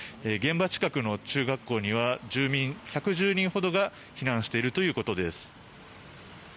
現場近くの中学校には住民１１０人ほどが避難しているということです。